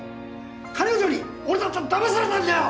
彼女に俺たちはだまされたんだよ！